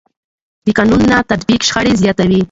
د قانون نه تطبیق شخړې زیاتوي